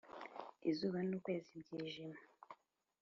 Izuba n ukwezi byijima